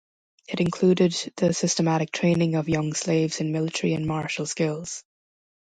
It included the systematic training of young slaves in military and martial skills.